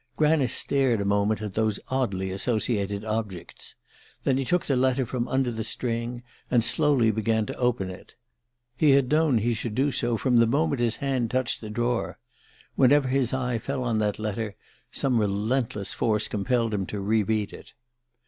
Granice stared a moment at these oddly associated objects; then he took the letter from under the string and slowly began to open it. He had known he should do so from the moment his hand touched the drawer. Whenever his eye fell on that letter some relentless force compelled him to re read it.